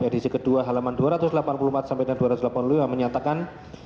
edisi kedua halaman dua ratus delapan puluh empat dua ratus delapan puluh lima menyatakan